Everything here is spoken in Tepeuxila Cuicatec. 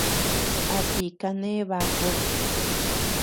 ¿A ti kane bakud?